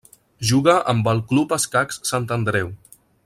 Juga amb el Club Escacs Sant Andreu.